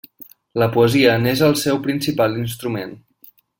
La poesia n'és el seu principal instrument.